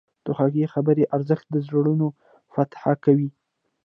د خوږې خبرې ارزښت د زړونو فتح کوي.